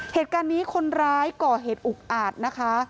เหตุการณ์นี้คนร้ายก่อเหตุอุกอาจนะคะ